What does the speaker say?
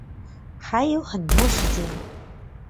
还有很多时间